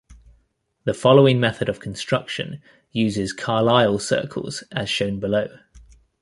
The following method of construction uses Carlyle circles, as shown below.